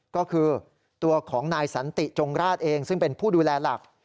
ก็คือตัวของนายสันติจงราชเองซึ่งเป็นผู้ดูแลหลัก